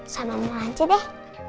sama mama aja deh